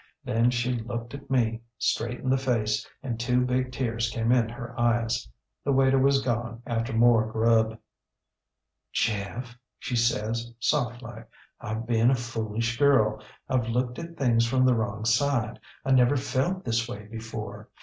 Then she looked at me, straight in the face, and two big tears came in her eyes. The waiter was gone after more grub. ŌĆ£ŌĆśJeff, ŌĆÖ she says, soft like, ŌĆśIŌĆÖve been a foolish girl. IŌĆÖve looked at things from the wrong side. I never felt this way before.